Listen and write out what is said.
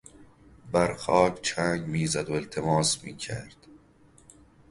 بر خاک چنگ میزد و التماس میکرد.